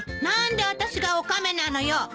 何で私がオカメなのよ。